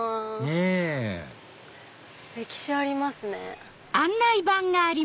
ねぇ歴史ありますね。